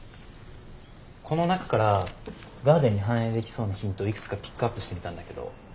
この中からガーデンに反映できそうなヒントをいくつかピックアップしてみたんだけど。